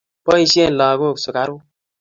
Poisyen lagok sugaruk.